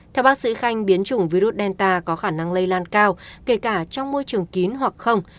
theo bác sĩ khanh biến chủng virus delta có khả năng lây lan cao kể cả trong môi trường kín hoặc không